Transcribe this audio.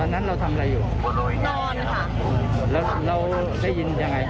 นั้นเราทำอะไรอยู่นอนค่ะแล้วเราได้ยินยังไง